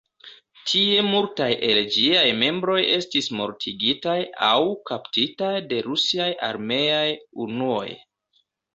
Tie multaj el ĝiaj membroj estis mortigitaj aŭ kaptitaj de rusiaj armeaj unuoj.